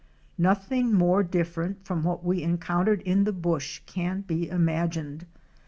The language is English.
Nothing more different from what we encountered in the bush can be imagined.